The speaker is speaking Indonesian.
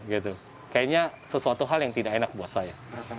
kayaknya sesuatu hal yang tidak enak buat saya